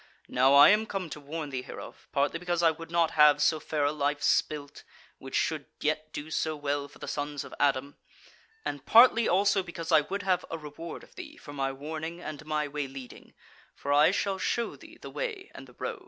Now I am come to warn thee hereof, partly because I would not have so fair a life spilt, which should yet do so well for the sons of Adam, and partly also because I would have a reward of thee for my warning and my wayleading, for I shall show thee the way and the road."